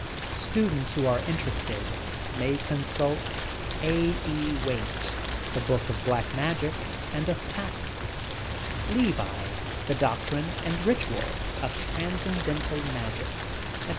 (Students who are interested may con sult:— A. E. Waite, "The Book of Black Magic and of Pacts"; Levi, "The Doctrine and Ritual of Transcen dental Magic," etc.)